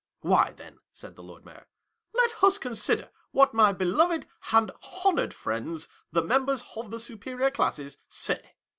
"Why then," said the Lord Mayor, "let us consider what my beloved and honoured friends the members of the superior classes, say.